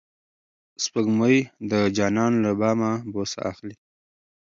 سپوږمۍ د جانان له بامه بوسه اخلي.